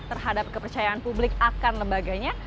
terhadap kepercayaan publik akan lembaganya